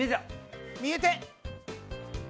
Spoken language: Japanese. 見えて！